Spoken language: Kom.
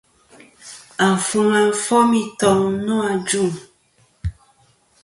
Afuŋa fom i toŋ nô ajuŋ.